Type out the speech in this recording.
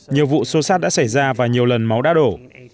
nhiều vụ xô xát đã xảy ra và nhiều lần máu đã đổ